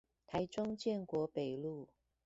台中建國北路